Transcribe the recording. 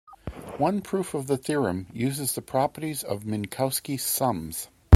One proof of the theorem uses the properties of Minkowski sums.